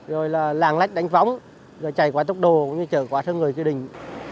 rồi làng lách đánh phóng rồi chạy qua tốc độ trở qua sân người tự định